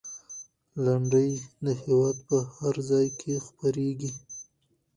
لنډۍ د هېواد په هر ځای کې خپرېږي.